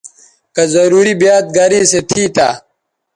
کہ ضروری بیاد گریسو تھی تہ